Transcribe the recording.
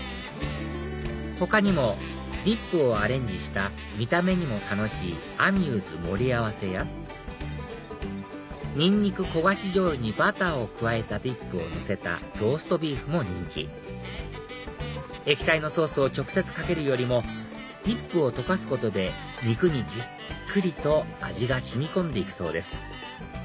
他にもディップをアレンジした見た目にも楽しいアミューズ盛り合わせやニンニク焦がしじょうゆにバターを加えたディップをのせたローストビーフも人気液体のソースを直接かけるよりもディップを溶かすことで肉にじっくりと味が染み込んで行くそうです